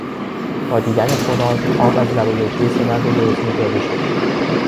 با دیدن خوراک آب از لب و لوچهی سه مرد گرسنه جاری شد.